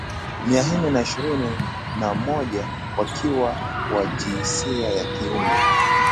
mia nne ishirini na moja wakiwa wajinsia ya kiume